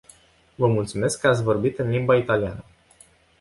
Vă mulțumesc că ați vorbit în limba italiană.